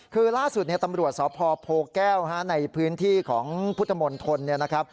คือล่าสุดตำรวจสอบพโพแก้วในพื้นที่ของพุทธมนต์ทน